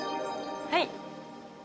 はい。